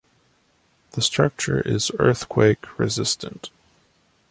The structure is earthquake resistant.